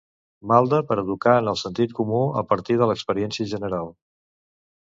Malde per educar en el sentit comú a partir de l'experiència general